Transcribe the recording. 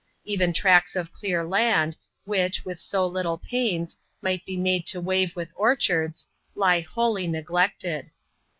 Even tracts of clear land, which, with so little pains, might be made to wave with orchards, lie wholly neglected.